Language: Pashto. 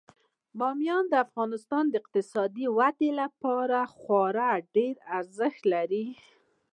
بامیان د افغانستان د اقتصادي ودې لپاره خورا ډیر ارزښت لري.